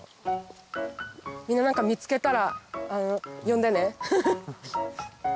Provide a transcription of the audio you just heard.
みんな何か見つけたら呼んでね。